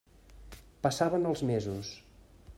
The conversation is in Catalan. Passaven els mesos.